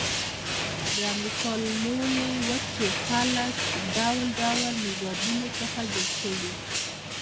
د امریکا د لویې وچې خلک د ډول ډول نژادونو څخه جوړ شوي.